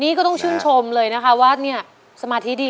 นี่ก็ต้องชื่นชมเลยนะคะว่าเนี่ยสมาธิดี